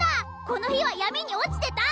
この日は闇に堕ちてた！